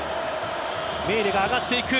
メーレが上がっていく。